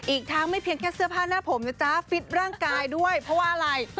อีกทั้งไม่เพียงแค่เสื้อผ้าหน้าผมนะจ๊ะฟิตร่างกายด้วยเพราะว่าอะไร